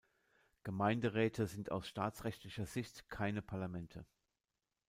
Gemeinderäte sind aus staatsrechtlicher Sicht keine Parlamente.